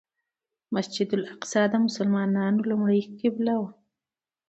مسجد الاقصی د مسلمانانو لومړنۍ قبله وه.